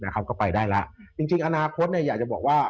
ก็ไปได้แล้วจริงอนาคตอยากจะบอกว่า